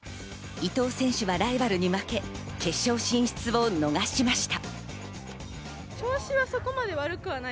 伊藤選手はライバルに負け、決勝進出を逃しました。